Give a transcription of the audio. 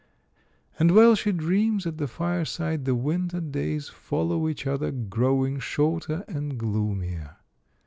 And while she dreams at the fireside, the winter days follow each other, growing shorter and gloomier.